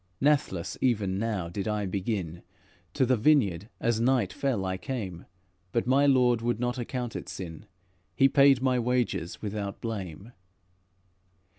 Nathless even now did I begin; To the vineyard as night fell I came, But my Lord would not account it sin; He paid my wages without blame.